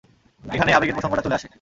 এখানেই আবেগের প্রসঙ্গটা চলে আসে।